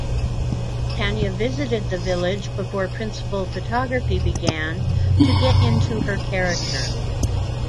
Tania visited the village before principal photography began to get into her character.